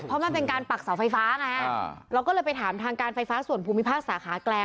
เพราะมันเป็นการปักเสาไฟฟ้าไงเราก็เลยไปถามทางการไฟฟ้าส่วนภูมิภาคสาขาแกลง